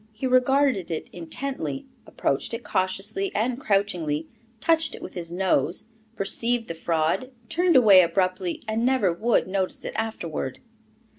He regarded it intently, approached it cautiously and crouchingly, touched it with his nose, perceived the fraud, turned away abruptly, and never would notice it afterward.